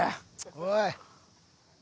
おい。